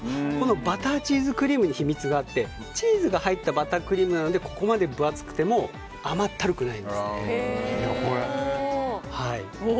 バターチーズクリームに秘密があってチーズが入ったバタークリームなのでここまで分厚くても甘ったるくないんですね。